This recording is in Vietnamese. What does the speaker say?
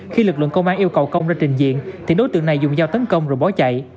khi lực lượng công an yêu cầu công ra trình diện thì đối tượng này dùng dao tấn công rồi bỏ chạy